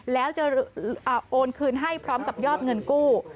แล้วจะโอนคืนให้พร้อมกับยอดเงินกู้